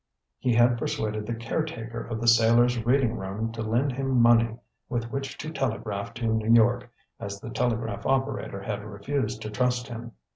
He had persuaded the caretaker of the Sailors' Reading room to lend him money with which to telegraph to New York, as the telegraph operator had refused to trust him.